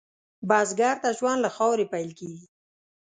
بزګر ته ژوند له خاورې پېل کېږي